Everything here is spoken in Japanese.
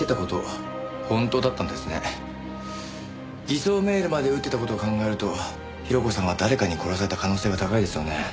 偽装メールまで打ってた事を考えると広子さんは誰かに殺された可能性が高いですよね。